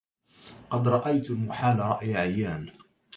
قد رأيت المحال رأي عيان